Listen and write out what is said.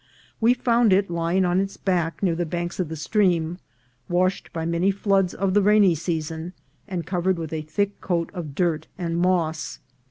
"We found it lying on its back near the banks of the stream, washed by many floods of the rainy season, and covered with a thick coat of dirt and moss.